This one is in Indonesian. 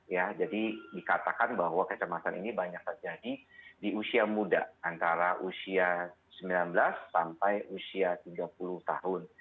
ya jadi dikatakan bahwa kecemasan ini banyak terjadi di usia muda antara usia sembilan belas sampai usia tiga puluh tahun